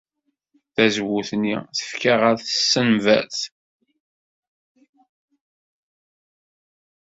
Tazewwut-nni tefka ɣer tsenbert.